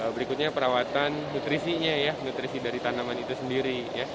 berikutnya perawatan nutrisinya ya nutrisi dari tanaman itu sendiri